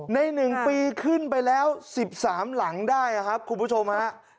ใน๑ปีขึ้นไปแล้ว๑๓หลังได้ครับคุณผู้ชมฮะ